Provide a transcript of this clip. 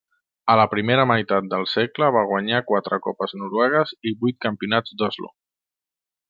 A la primera meitat del segle va guanyar quatre copes noruegues i vuit campionats d'Oslo.